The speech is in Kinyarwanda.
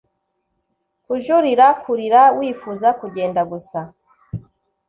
kujurira kurira, wifuza kugenda gusa